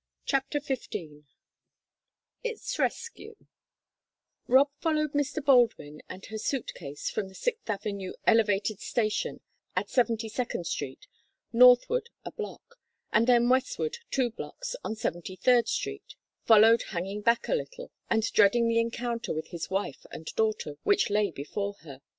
CHAPTER FIFTEEN ITS RESCUE Rob followed Mr. Baldwin and her suit case from the Sixth Avenue elevated station at Seventy second Street northward a block, and then westward two blocks on Seventy third Street, followed hanging back a little, and dreading the encounter with his wife and daughter which lay before her.